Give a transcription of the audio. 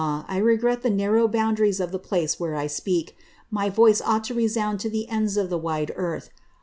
I regret the narrow boundaries of the place wliere I speak. My voice ought to resound to the ends of the wide earth.